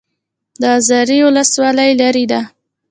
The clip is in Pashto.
د ازرې ولسوالۍ لیرې ده